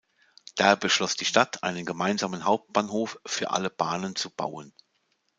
Daher beschloss die Stadt, einen gemeinsamen Hauptbahnhof für alle Bahnen zu bauen.